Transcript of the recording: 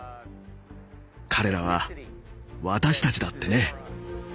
彼らは私たちだってね。